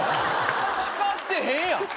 光ってへんやん。